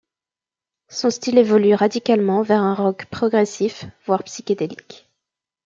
Son style évolue radicalement vers un rock progressif, voire psychédélique.